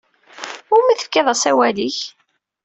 Umi tefkiḍ asawal-ik?